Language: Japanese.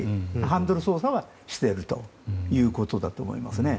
ハンドル操作はしているということだと思いますね。